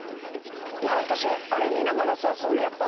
私あれ見ながらさすぐやったの。